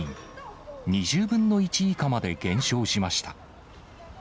２０分の１以下まで減少しました。